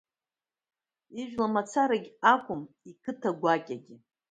Ижәла мацарагь акәым, иқыҭа гәакьагьы.